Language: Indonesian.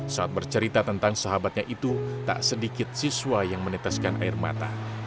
saat bercerita tentang sahabatnya itu tak sedikit siswa yang meneteskan air mata